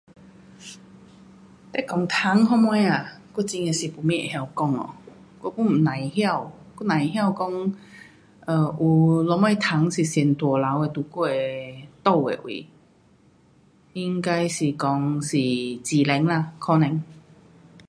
那讲虫什么啊，我很的是没什么会晓讲哦。我 pun 甭晓。我甭晓讲有，有什么虫是最大只的就过哪的位，应该是讲是自然啦，可能。